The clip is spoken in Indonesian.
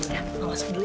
ya mama masuk dulu ya